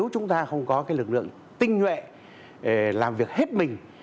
có lực lượng tinh nhuệ làm việc hết mình